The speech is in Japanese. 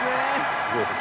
すごいですね。